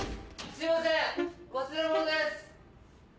・すいません忘れ物です！